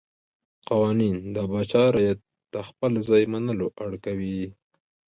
قوانین د پاچا رعیت ته خپل ځای منلو اړ کوي.